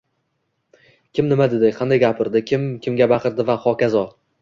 kim nima dedi, qanday gapirdi, kim kimga baqirdi va hokazo.